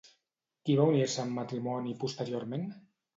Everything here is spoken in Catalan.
Qui va unir-se en matrimoni posteriorment?